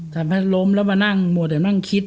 ทำให้ล้มแล้วมานั่งมัวแต่นั่งคิด